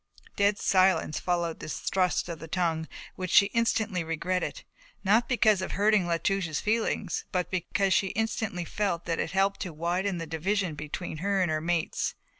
Dead silence followed this thrust of the tongue which she instantly regretted, not because of hurting La Touche's feelings, but because she instantly felt that it had helped to widen the division between her and her mates.